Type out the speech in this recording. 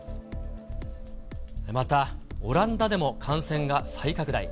また、オランダでも感染が再拡大。